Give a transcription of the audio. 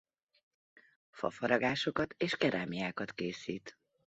Fafaragásokat és kerámiákat készít.